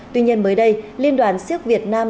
tuy nhiên mới đây liên đoàn siếc việt nam